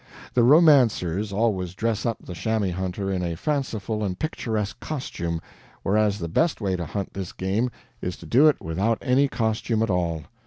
The romancers always dress up the chamois hunter in a fanciful and picturesque costume, whereas the best way to hunt this game is to do it without any costume at all.